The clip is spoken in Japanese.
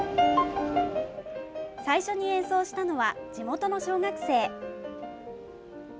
最初に演奏したのは地元の小学生。